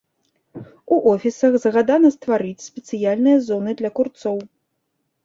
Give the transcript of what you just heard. У офісах загадана ствараць спецыяльныя зоны для курцоў.